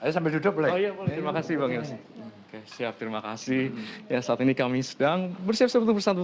sampai duduk terima kasih banget siap terima kasih ya saat ini kami sedang bersatu bersatu